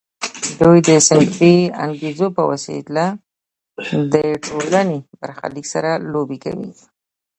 دوی د صنفي انګیزو په وسیله د ټولنې برخلیک سره لوبې کوي